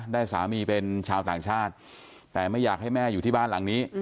ได้สามีเป็นชาวต่างชาติแต่ไม่อยากให้แม่อยู่ที่บ้านหลังนี้